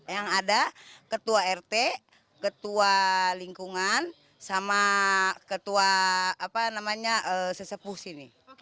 yang ada ketua rt ketua lingkungan sama ketua sesepuh sini